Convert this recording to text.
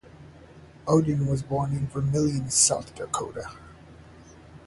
Oden was born in Vermillion, South Dakota.